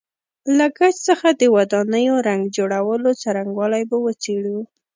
له ګچ څخه د ودانیو رنګ جوړولو څرنګوالی به وڅېړو.